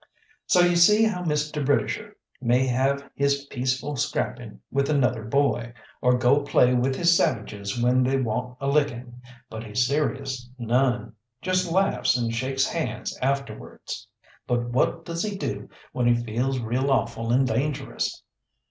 So you see how Mr. Britisher may have his peaceful scrapping with another boy, or go play with his savages when they want a licking; but he's serious none just laughs and shakes hands afterwards. But what does he do when he feels real awful and dangerous?